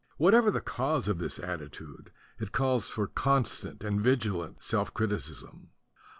Whatever the cause of this attitude it calls for constant and vigilant self criticism.